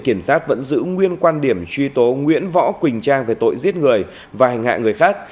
viện kiểm sát vẫn giữ nguyên quan điểm truy tố nguyễn võ quỳnh trang về tội giết người và hành hạ người khác